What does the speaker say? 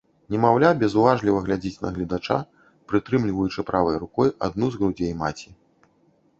Немаўля безуважліва глядзіць на гледача, прытрымліваючы правай рукой адну з грудзей маці.